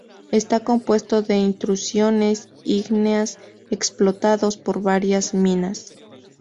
Está compuesto de intrusiones ígneas; explotados por varias minas.